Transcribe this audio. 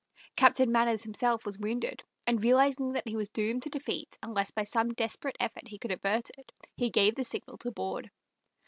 Captain Manners himself was wounded, and realizing that he was doomed to defeat unless by some desperate effort he could avert it, he gave the signal to board.